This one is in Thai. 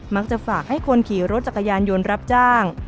มักจะฝากให้คนขี่รถจักรยานยนต์รับจ้าง